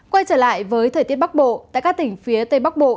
quay trở lại với thời tiết bắc bộ tại các tỉnh phía tây bắc bộ